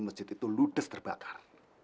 masjid itu ludes terbakar